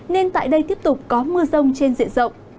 nên tại đây tiếp tục có mưa rông trên diện rộng